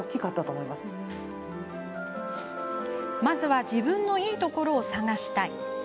まずは自分のいいところを探したい。